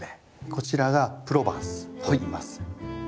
こちらがプロバンスといいます。